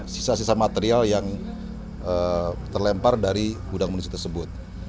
sisa sisa material yang terlempar dari gudang munisi tersebut